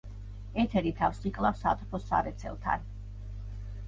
ეთერი თავს იკლავს სატრფოს სარეცელთან.